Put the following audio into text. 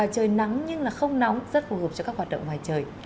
trời nắng nhưng là không nóng rất phù hợp cho các hoạt động ngoài trời